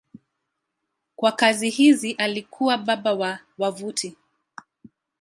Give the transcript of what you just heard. Kwa kazi hizi alikuwa baba wa wavuti.